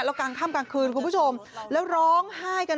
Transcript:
แล้วกลางค่ำกลางคืนคุณผู้ชมแล้วร้องไห้กัน